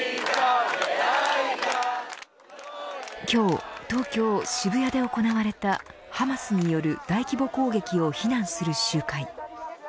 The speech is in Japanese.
今日東京・渋谷で行われたハマスによる大規模攻撃を非難する集会。